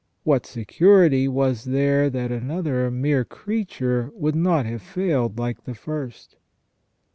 What security was there that another mere creature would not have failed like the first